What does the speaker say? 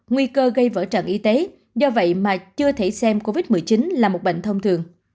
nguy cơ gây vỡ trận y tế do vậy mà chưa thể xem covid một mươi chín là một bệnh thông thường